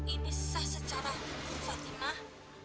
ini sah secara fatimah